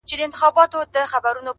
شعر اوس دومره کوچنی سوی دی ملگرو!!